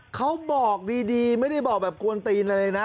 เขาบอกดีไม่ได้บอกแบบกวนตีนอะไรเลยนะ